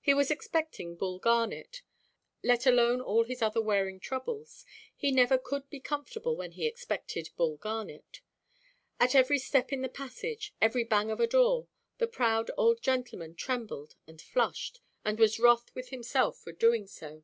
He was expecting Bull Garnet. Let alone all his other wearing troubles, he never could be comfortable when he expected Bull Garnet. At every step in the passage, every bang of a door, the proud old gentleman trembled and flushed, and was wroth with himself for doing so.